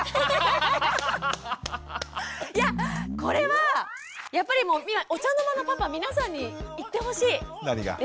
いやこれはやっぱりもうお茶の間のパパ皆さんに言ってほしいですね。